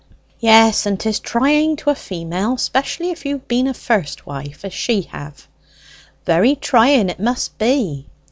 "Yes; and 'tis trying to a female, especially if you've been a first wife, as she hev." "Very trying it must be."